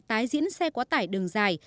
tái diễn xe quá tải đường dài